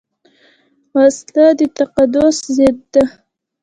وسله د تقدس ضد ده